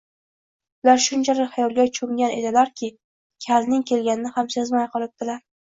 Ular shunchalik xayolga cho‘mgan ekanlarki, kalning kelganini ham sezmay qolibdilar